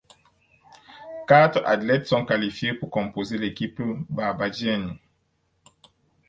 Quatre athlètes sont qualifiés pour composer l'équipe barbadienne.